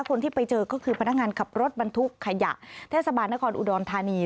คนที่ไปเจอก็คือพนักงานขับรถบรรทุกขยะเทศบาลนครอุดรธานี